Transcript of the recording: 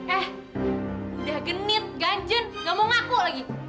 eh udah genit ganjen gak mau ngaku lagi